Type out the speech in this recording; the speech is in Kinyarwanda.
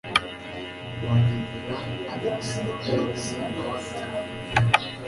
banyemera alex alex nawe ati